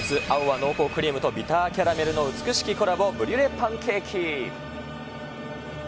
青は濃厚クリームとビターキャラメルの美しきコラボ、ブリュレパンケーキ。